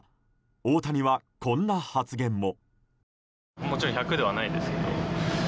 大谷は、こんな発言も。